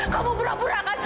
kamu pura pura kan